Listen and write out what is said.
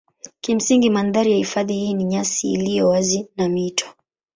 Kimsingi mandhari ya hifadhi hii ni nyasi iliyo wazi na mito.